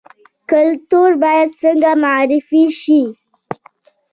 کلتور باید څنګه معرفي شي؟